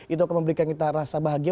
itu akan memberikan kita rasa bahagia